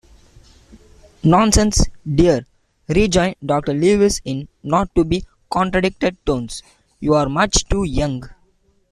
"Nonsense, dear," rejoined Dr Leavis in not-to-be-contradicted tones; "you're much too young!